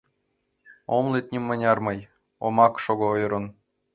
Ом лӱд нимыняр мый, омак шого ӧрын.